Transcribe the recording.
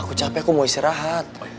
aku capek aku mau istirahat